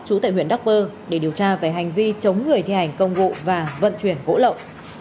chú tại huyện đắc bơ để điều tra về hành vi chống người thi hành công vụ và vận chuyển gỗ lậu